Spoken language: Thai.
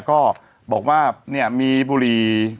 ก็บอกว่ามีบุรี